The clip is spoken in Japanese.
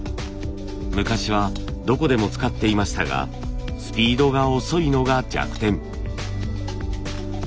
昔はどこでも使っていましたがスピードが遅いのが弱点。